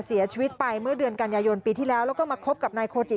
เสียชีวิตไปเมื่อเดือนกันยายนปีที่แล้วแล้วก็มาคบกับนายโคจิ